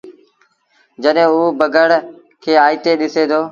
جڏهيݩٚ اوٚ بگھڙ کي آئيٚتي ڏسي دو